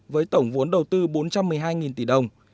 với tổng vốn đầu tư bốn trăm một mươi hai tỷ đồng